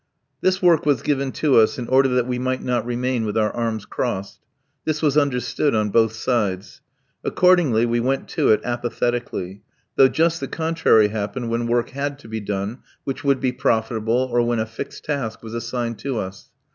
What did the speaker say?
This work was given to us in order that we might not remain with our arms crossed. This was understood on both sides. Accordingly, we went to it apathetically; though just the contrary happened when work had to be done, which would be profitable, or when a fixed task was assigned to us.